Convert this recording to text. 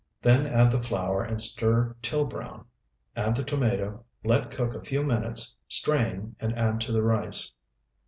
Then add the flour and stir till brown. Add the tomato, let cook a few minutes, strain, and add to the rice.